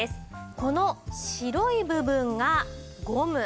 この白い部分がゴム。